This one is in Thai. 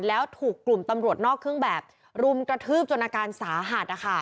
แล้วถูกกลุ่มตำรวจนอกเครื่องแบบรุมกระทืบจนอาการสาหัส